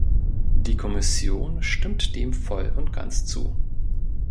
Die Kommission stimmt dem voll und ganz zu.